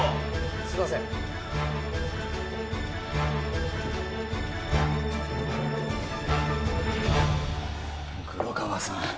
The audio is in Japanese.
・すいません黒川さん